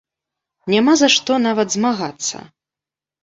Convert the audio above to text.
Няма за што нават змагацца.